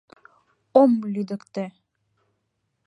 Ом лӱдыктӧ!